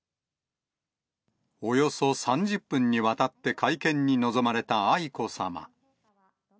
およそ３０分にわたって会見に臨まれた愛子さま。